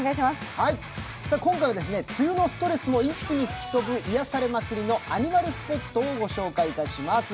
今回は梅雨のストレスも一気に吹き飛ぶ癒やされまくりのアニマルスポットをご紹介します。